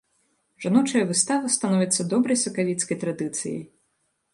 Жаночая выстава становіцца добрай сакавіцкай традыцыяй.